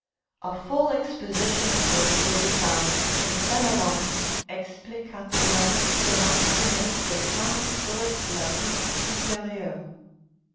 A full exposition of this will be found in Fénélon's "Explication des Maximes des Saints sur la Vie Interieure."